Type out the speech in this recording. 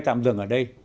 tạm dừng ở đây